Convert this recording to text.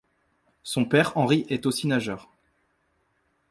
Son père Henri est aussi nageur.